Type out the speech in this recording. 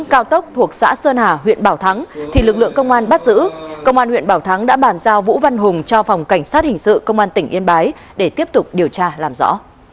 công an huyện bảo thắng đã bàn giao vũ văn hùng cho phòng cảnh sát hình sự công an tỉnh yên bái để tiếp tục điều tra làm rõ